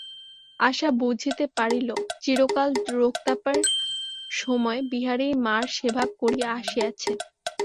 আশা বুঝিতে পারিল, চিরকাল রোগতাপের সময় বিহারীই মার সেবা করিয়া আসিয়াছে।